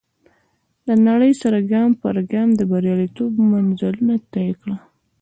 د نړۍ سره ګام پر ګام د برياليتوب منزلونه طی کړه.